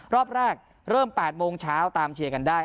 รอบแรกเริ่ม๘โมงเช้าตามเชียร์กันได้